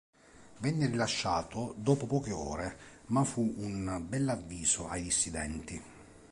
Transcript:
Venne rilasciato dopo poche ore, ma fu un bell'avviso ai dissidenti.